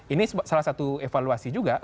ini salah satu evaluasi juga